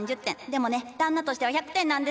でもね旦那としては１００点なんです！